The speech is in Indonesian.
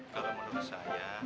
kalau menurut saya